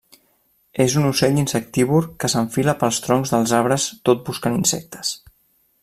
És un ocell insectívor que s'enfila pels troncs dels arbres tot buscant insectes.